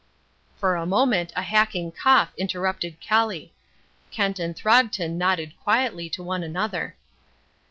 For a moment a hacking cough interrupted Kelly. Kent and Throgton nodded quietly to one another.